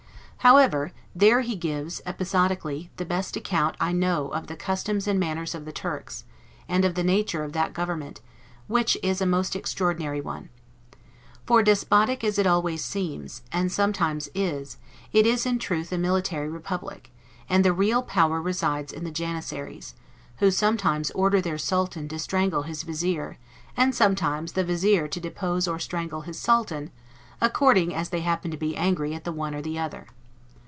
However, there he gives, episodically, the best account I know of the customs and manners of the Turks, and of the nature of that government, which is a most extraordinary one. For, despotic as it always seems, and sometimes is, it is in truth a military republic, and the real power resides in the Janissaries; who sometimes order their Sultan to strangle his Vizir, and sometimes the Vizir to depose or strangle his Sultan, according as they happen to be angry at the one or the other.